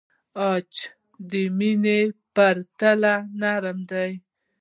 عاج د مینا په پرتله نرم دی.